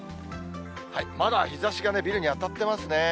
まだ日ざしがビルに当たってますね。